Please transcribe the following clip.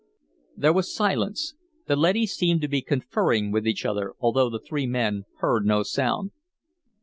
There was silence. The leadys seemed to be conferring with each other, although the three men heard no sound.